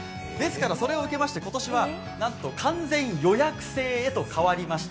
それを受けまして今年はなんと完全予約制へと変わりました。